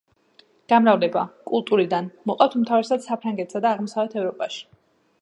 გამრავლება: კულტურიდან, მოყავთ უმთავრესად საფრანგეთსა და აღმოსავლეთ ევროპაში.